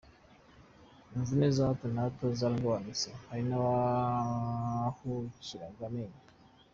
Imvune za hato na hato zaragabanutse, hari n’abahukiraga amenyo ….